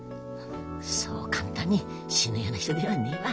そう簡単に死ぬような人ではねえわ。